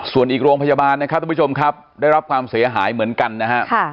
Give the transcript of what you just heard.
ส่วนอีกโรงพยาบาลนะครับทุกผู้ชมครับได้รับความเสียหายเหมือนกันนะครับ